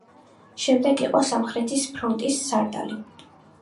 შემდეგ იყო სამხრეთის ფრონტის სარდალი.